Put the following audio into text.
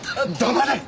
黙れ！